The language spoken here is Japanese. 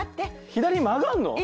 左に曲がんの？